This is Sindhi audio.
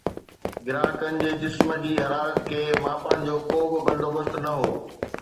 گراهڪن جي جسم جي حرارت کي ماپڻ جو ڪو به بندوبست نه هو